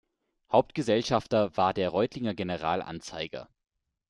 Hauptgesellschafter war der Reutlinger General-Anzeiger.